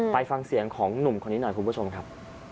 ไปฟังเสียงของหนุ่มคนนี้หน่อยคุณผู้ชมครับ